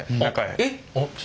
えっ！